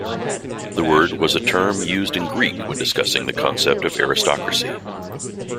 The word was a term used in Greek when discussing the concept of aristocracy".